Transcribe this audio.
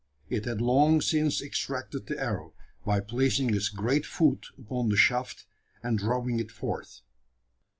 It had long since extracted the arrow, by placing its great foot upon the shaft, and drawing it forth.